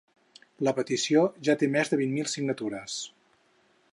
La petició ja té més de vint mil signatures.